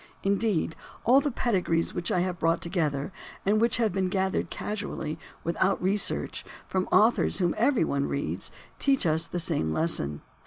Indeed, all the pedigrees which I have brought together, and which have been gathered casually, without research, from authors whom every one reads, teach the same lesson.